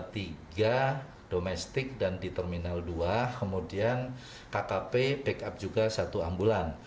tiga domestik dan di terminal dua kemudian kkp backup juga satu ambulan